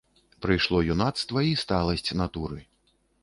Прыйшло юнацтва і сталасць натуры.